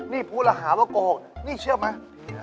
นี่พูดหละหาว่าโกหกนี่เชื่อมั้ย